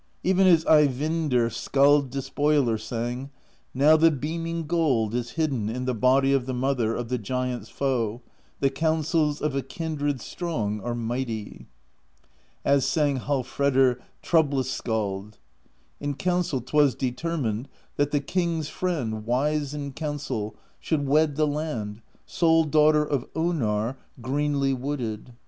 Even as Eyvindr Skald Despoiler sang: Now the beaming gold is hidden In the body of the Mother Of the Giants' Foe; the counsels Of a kindred strong are mighty. As sang Hallfredr Troublous Skald: In council *t was determined That the King's friend, wise in counsel. Should wed the Land, sole Daughter Of Onarr, greenly wooded.